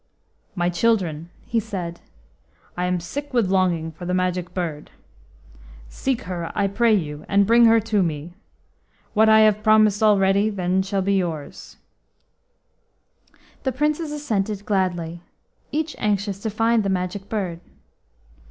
"My children," he said, "I am sick with longing for the Magic Bird. Seek her, I pray you, and bring her to me. What I have promised already shall then be yours." The Princes assented gladly, each anxious to find the Magic Bird.